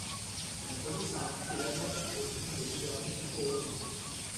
La police a imputé l'attaque au front de libération oromo.